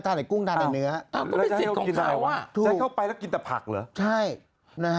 อ้าวแล้วจะให้เข้าไปกินอะไรวะจะให้เข้าไปแล้วกินแต่ผักเหรอใช่นะฮะ